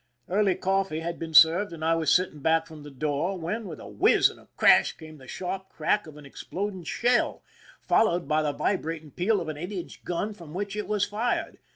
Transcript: Early cofifee had been served, and I was sitting back from the door, when, with a whizz and a crash, came the sharp crack of an exploding shell, fol lowed by the vibrating peal of the eight inch gun from which it was fired.